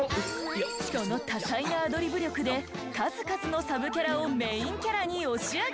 その多彩なアドリブ力で数々のサブキャラをメインキャラに押し上げてきた。